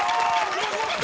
残った！